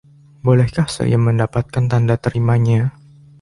Bolehkah saya mendapatkan tanda terimanya?